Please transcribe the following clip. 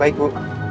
iya baik bu